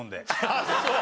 あっそう。